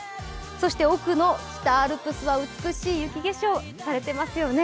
そして奥の北アルプスは美しい雪化粧されていますよね。